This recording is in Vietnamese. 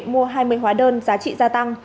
mua hai mươi hóa đơn giá trị gia tăng